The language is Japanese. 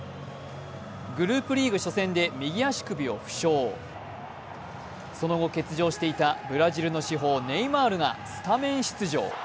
グループリーグ初戦で右足首を負傷、その後欠場していたブラジルの至宝・ネイマールがスタメン出場。